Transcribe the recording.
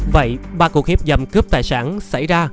vậy ba cuộc hiếp dâm cướp tài sản xảy ra